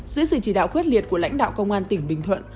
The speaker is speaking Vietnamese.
dưới sự chỉ đạo quyết liệt của lãnh đạo công an tỉnh bình thuận